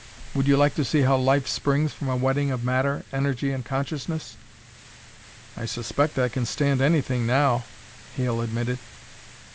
"Would you like to see how life springs from a wedding of matter, energy, and consciousness?" "I suspect I can stand anything now," Hale admitted.